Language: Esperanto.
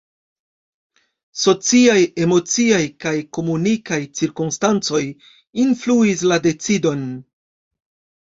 Sociaj, emociaj kaj komunikaj cirkonstancoj influis la decidon.